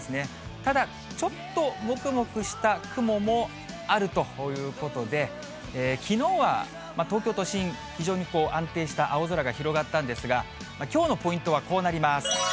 ただ、ちょっともくもくした雲もあるということで、きのうは東京都心、非常に安定した青空が広がったんですが、きょうのポイントはこうなります。